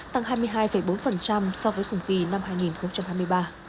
tăng hai mươi hai bốn so với cùng kỳ năm hai nghìn hai mươi ba